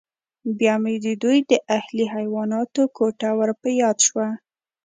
بیا مې د دوی د اهلي حیواناتو کوټه ور په یاد شوه